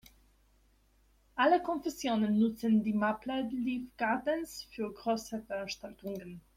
Alle Konfessionen nutzten die Maple Leaf Gardens für große Veranstaltungen.